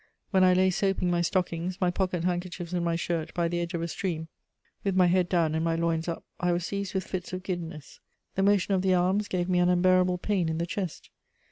When I lay soaping my stockings, my pocket handkerchiefs and my shirt by the edge of a stream, with my head down and my loins up, I was seized with fits of giddiness; the motion of the arms gave me an unbearable pain in the chest.